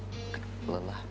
dia kayak lelah